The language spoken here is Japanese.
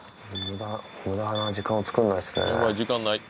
無駄な時間をつくんないですね。